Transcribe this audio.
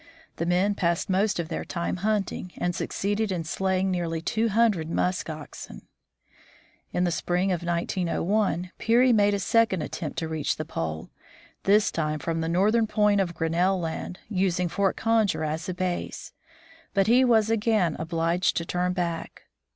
The men passed most of their time hunting, and succeeded in slaying nearly two hundred musk oxen. In the spring of 1901 Peary made a second attempt to reach the pole, this time from the northern point of Grin nell land, using Fort Conger as a base. But he was again obliged to turn back.